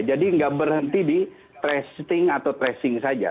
jadi nggak berhenti di testing atau tracing saja